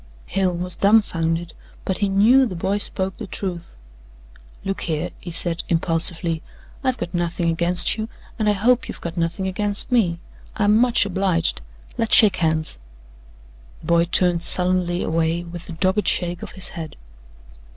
Hale was dumfounded, but he knew the boy spoke the truth. "Look here," he said impulsively, "I've got nothing against you, and I hope you've got nothing against me. I'm much obliged let's shake hands!" The boy turned sullenly away with a dogged shake of his head.